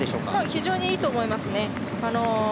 非常にいいと思いますね。